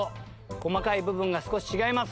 細かい部分が少し違います